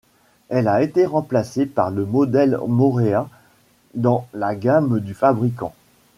Elle a été remplacée par le modèle Morea dans la gamme du fabricant.